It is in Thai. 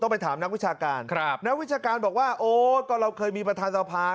ไปถามนักวิชาการครับนักวิชาการบอกว่าโอ้ก็เราเคยมีประธานสภา